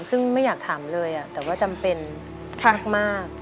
ซึ่งไม่อยากถามเลยแต่ว่าจำเป็นมาก